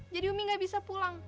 jadi umi gak bisa pulang